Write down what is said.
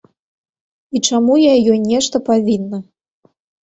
І чаму я ёй нешта павінна?